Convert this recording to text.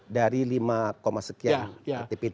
sebelas dua puluh lima dari lima sekian